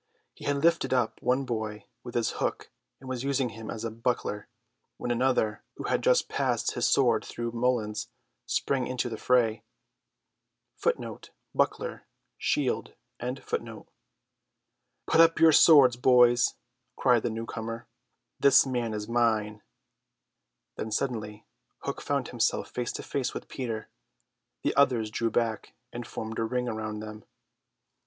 He had lifted up one boy with his hook, and was using him as a buckler, when another, who had just passed his sword through Mullins, sprang into the fray. "Put up your swords, boys," cried the newcomer, "this man is mine." Thus suddenly Hook found himself face to face with Peter. The others drew back and formed a ring around them.